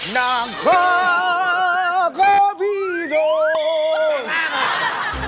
น้ำคอคอที่โดน